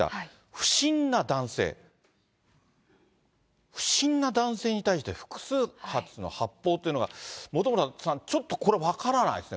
不審な男性、不審な男性に対して複数発の発砲というのが、本村さん、ちょっとこれは分からないですね、